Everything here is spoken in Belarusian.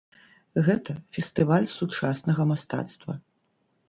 Гэта фестываль сучаснага мастацтва.